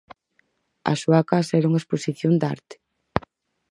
A súa casa era unha exposición de arte.